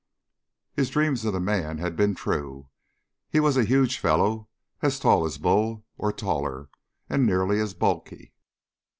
His dreams of the man had been true. He was a huge fellow, as tall as Bull, or taller, and nearly as bulky.